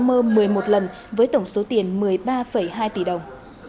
bị cáo mơ một mươi một lần với tổng số tiền một mươi ba hai tỷ đồng